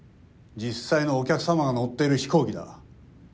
実際のお客様が乗ってる飛行機だ。